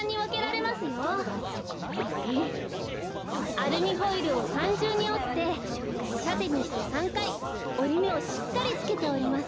アルミホイルを３じゅうにおってたてにして３かいおりめをしっかりつけております。